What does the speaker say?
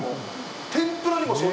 天ぷらも。